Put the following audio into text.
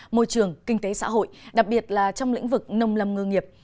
môi trường kinh tế xã hội đặc biệt là trong lĩnh vực nông lâm ngư nghiệp